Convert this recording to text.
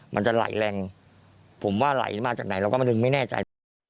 มันจะไหลแรงผมว่าไหลมาจากไหนเราก็มาถึงไม่แน่ใจ